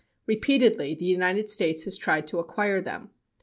Repeatedly the United States has tried to acquire them.